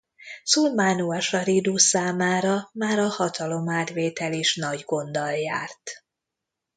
Sulmánu-asarídu számára már a hatalomátvétel is nagy gonddal járt.